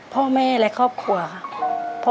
พ่อแม่และครอบครัวค่ะ